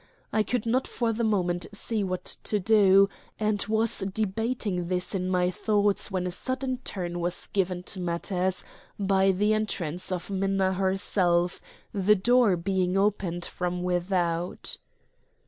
I could not for the moment see what to do, and was debating this in my thoughts when a sudden turn was given to matters by the entrance of Minna herself, the door being opened from without.